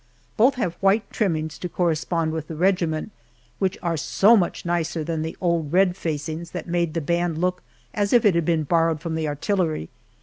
Both have white trimmings to correspond with the regiment, which are so much nicer than the old red facings that made the band look as if it had been borrowed from the artillery.